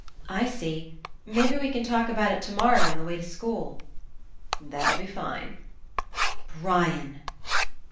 "I see. Maybe we can talk about it tomorrow on the way to school." 'That'll be line." "Brian!"